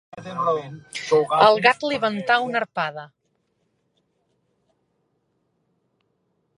El gat li ventà una arpada.